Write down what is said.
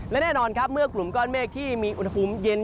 และแน่นอนครับเมื่อกลุ่มก้อนเมฆที่มีอุณหภูมิเย็น